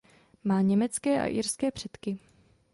Má německé a irské předky.